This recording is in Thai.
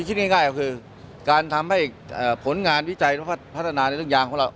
คิดง่ายก็คือการทำให้ผลงานวิจัยพัฒนาในทุกอย่างของเรา